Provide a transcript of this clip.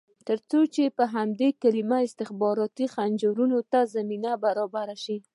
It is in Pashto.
ترڅو په همدې کلمه استخباراتي خنجرونو ته زمینه برابره شي.